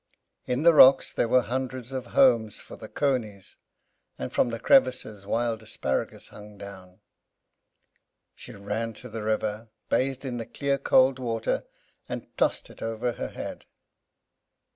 In the rocks there were hundreds of homes for the conies, and from the crevices wild asparagus hung down. She ran to the river, bathed in the clear cold water, and tossed it over her head.